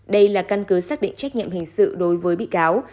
đây là căn cứ xác định trách nhiệm hình sự đối với bị cáo